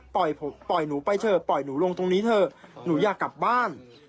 ปล่อยหนูไปเถอะปล่อยหนูลงตรงนี้เถอะหนูอยากกลับบ้าน